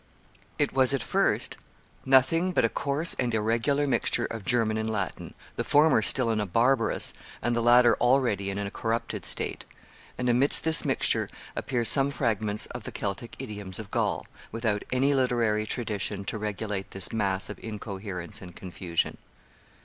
It was, at first, nothing but a coarse and irregular mixture of German and Latin, the former still in a barbarous and the latter already in a corrupted state; and amidst this mixture appear some fragments of the Celtic idioms of Gaul, without any literary tradition to regulate this mass of incoherence and confusion.